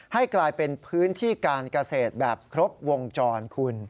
ให้กลายเป็นพื้นที่การเกษตรแบบครบวงจรคุณ